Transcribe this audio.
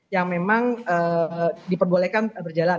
yang memang diperbolehkan berjalan